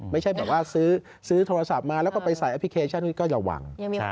ไม่ใช่แบบว่าซื้อโทรศัพท์มาแล้วก็ไปใส่แอปพลิเคชันนี้ก็ระวัง